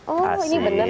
oh ini benar gaya